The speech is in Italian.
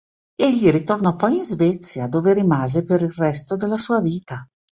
Egli ritornò poi in Svezia dove rimase per il resto della sua vita.